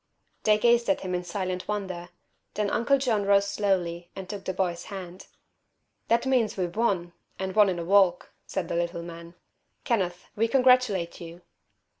They gazed at him in silent wonder. Then Uncle John rose slowly and took the boy's hand. "That means we've won and won in a walk," said the little man. "Kenneth, we congratulate you."